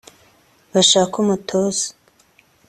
Bashake umutoza